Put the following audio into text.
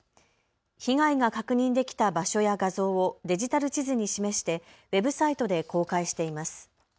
被害が確認できた場所や画像をデジタル地図に示してウェブサイトで公開しています。